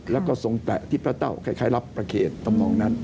แล้วก็ทรงแตะที่พระเจ้าคล้ายรับประเขตทำนองนั้น